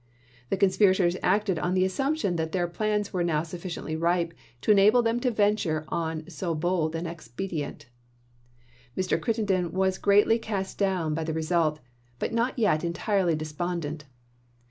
The conspirators acted on the assumption that their plans were now suffi ciently ripe to enable them to venture on so bold an expedient. Mr. Crittenden was greatly cast down by the result, but not yet entirely despondent.